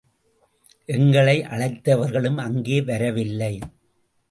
எங்களை அழைத்தவர்களும் அங்கே வரவில்லை.